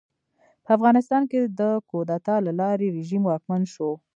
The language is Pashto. په افغانستان کې د کودتا له لارې رژیم واکمن شو.